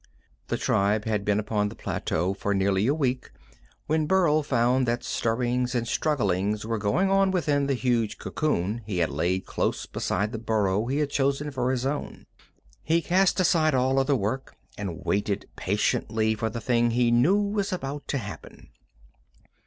The tribe had been upon the plateau for nearly a week when Burl found that stirrings and strugglings were going on within the huge cocoon he had laid close beside the burrow he had chosen for his own. He cast aside all other work, and waited patiently for the thing he knew was about to happen.